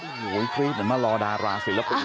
โอ้โฮเหมือนมารอดาราศิลปุ่น